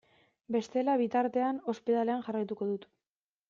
Bestela, bitartean, ospitalean jarraituko dut.